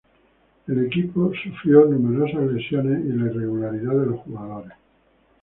El equipo sufrió numerosas lesiones y la irregularidad de los jugadores.